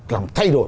làm thay đổi